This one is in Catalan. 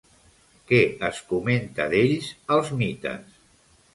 Què es comenta d'ells als mites?